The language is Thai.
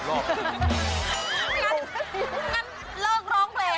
ขอด่วนกว้มนะผมร้องใน๓รอบ